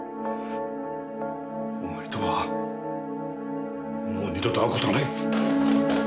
お前とはもう二度と会う事はない。